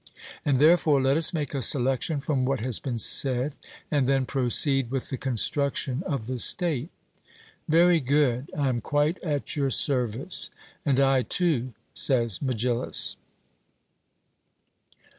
And therefore let us make a selection from what has been said, and then proceed with the construction of the state.' Very good: I am quite at your service. 'And I too,' says Megillus.